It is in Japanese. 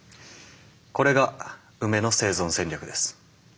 これがウメの生存戦略です。